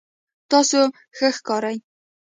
تاسو ښه ښکارئ